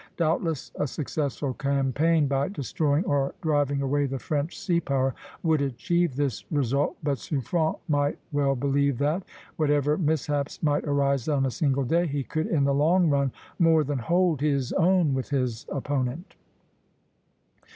Doubtless a successful campaign, by destroying or driving away the French sea power, would achieve this result; but Suffren might well believe that, whatever mishaps might arise on a single day, he could in the long run more than hold his own with his opponent.